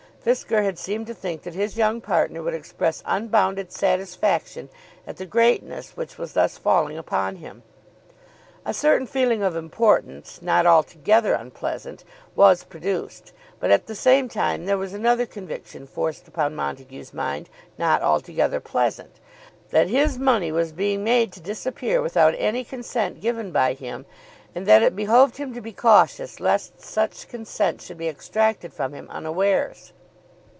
Fisker had seemed to think that his young partner would express unbounded satisfaction at the greatness which was thus falling upon him. A certain feeling of importance, not altogether unpleasant, was produced, but at the same time there was another conviction forced upon Montague's mind, not altogether pleasant, that his money was being made to disappear without any consent given by him, and that it behoved him to be cautious lest such consent should be extracted from him unawares.